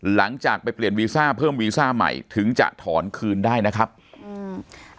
หลังจากไปเปลี่ยนวีซ่าเพิ่มวีซ่าใหม่ถึงจะถอนคืนได้นะครับอืม